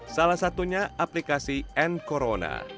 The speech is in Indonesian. salah satunya aplikasi n corona